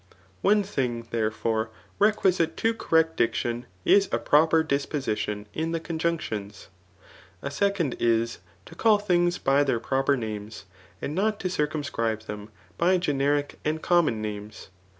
One thing, therefore, requisite to correct diction is a proper disposidon in the conjunctions. A second is, to call things by their proper names, and not to circiim* scribe them {l>y generic and common names.